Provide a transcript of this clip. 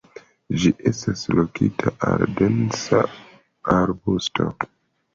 Ĝi estas lokita en densa arbusto.